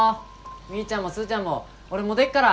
みーちゃんもスーちゃんも俺もう出っから！